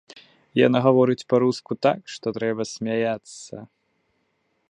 Яна гаворыць па-руску так, што трэба смяяцца.